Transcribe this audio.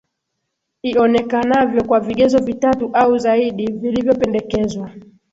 ionekanavyo kwa vigezo vitatu au zaidi vilivyopendekezwa